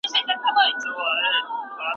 هنري تخیل د فکر د پراختیا لامل دئ.